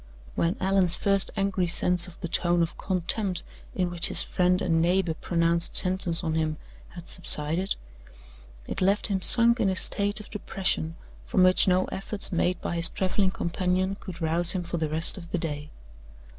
When Allan's first angry sense of the tone of contempt in which his friend and neighbor pronounced sentence on him had subsided, it left him sunk in a state of depression from which no efforts made by his traveling companion could rouse him for the rest of the day.